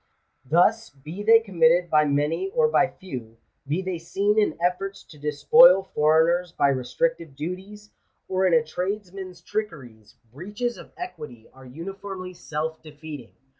Thus, be they committed by many or by few — be they seen in efforts to despoil foreigners by restrictive, duties, or in a tradesman's trickeries — breaches of equity are uniformly self defeating.